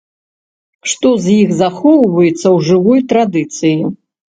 Што з іх захоўваецца ў жывой традыцыі?